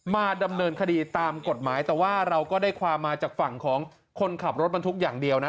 มาดำเนินคดีตามกฎหมายแต่ว่าเราก็ได้ความมาจากฝั่งของคนขับรถบรรทุกอย่างเดียวนะ